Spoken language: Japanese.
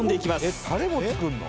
えっタレも作るの？